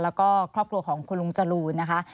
แล้วก็ครอบครัวของคุณลุงจรูนนะคะ